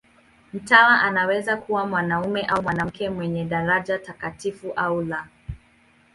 Mtawa anaweza kuwa mwanamume au mwanamke, mwenye daraja takatifu au la.